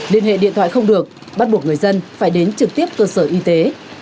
liên hệ điện thoại không được bắt buộc người dân phải đến trực tiếp cơ sở y tế